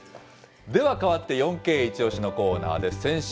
では、かわって４Ｋイチオシ！のコーナーです。